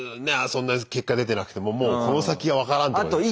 そんな結果出てなくてももうこの先は分からんってことで。